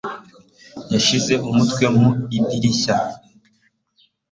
Yashyize umutwe mu idirishya.